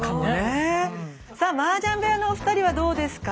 さあマージャン部屋のお二人はどうですか？